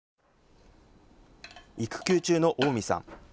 育休中の近江さん。